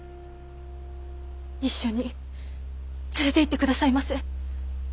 一緒に連れていってくださいませ！